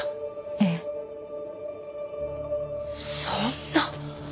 そんな。